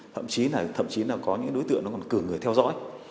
thậm chí là có những đối tượng còn cử người theo dõi